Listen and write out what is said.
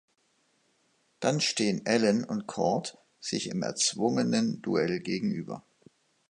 Dann stehen Ellen und Cort sich im erzwungenen Duell gegenüber.